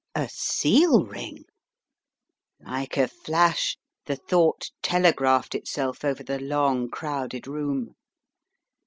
A seal ring? Like a flash the thought telegraphed itself over the long, crowded room.